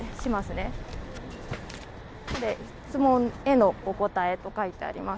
「ご質問へのお答え」と書いてあります。